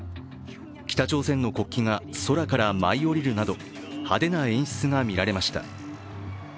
北朝鮮の国旗が空から舞い降りるなど派手な演出が見られました。